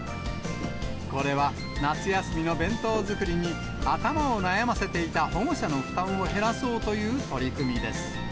これは夏休みの弁当作りに頭を悩ませていた保護者の負担を減らそうという取り組みです。